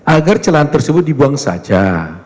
agar celahan tersebut dibuang saja